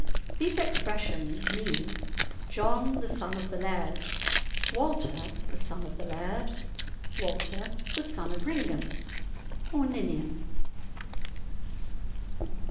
These expressions mean, "John the son of the Laird," "Walter the son of the Laird," "Walter the son of Ringan or Ninian."